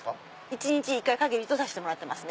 １日１回とさせてもらってます。